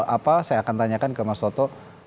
apa saya akan tanyakan ke mas toto